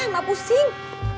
udah emak pusing